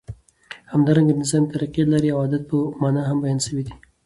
همدارنګه د نظام د طریقی، لاری او عادت په معنی هم بیان سوی دی.